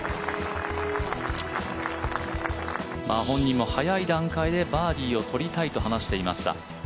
本人も早い段階でバーディーを取りたいと話していました。